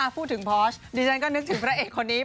พูดถึงพอชดิฉันก็นึกถึงพระเอกคนนี้